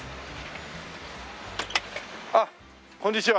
あっこんにちは。